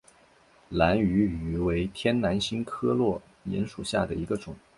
兰屿芋为天南星科落檐属下的一个种。